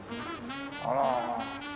あら。